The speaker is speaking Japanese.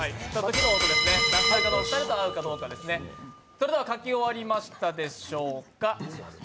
それでは書き終わりましたでしょうか。